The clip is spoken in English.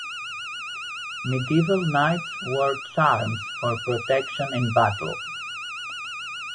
Medieval knights wore charms for protection in battle.